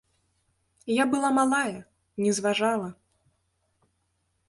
Я была малая, не зважала.